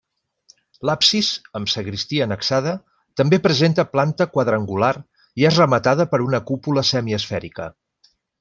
L'absis, amb sagristia annexada, també presenta planta quadrangular i és rematada per una cúpula semiesfèrica.